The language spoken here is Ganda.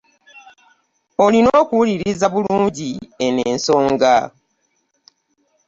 Olina okuwuliriza bulungi eno ensonga.